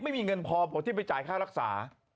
ไม่มีเงินพอพอที่ไปจ่ายค่ารักษา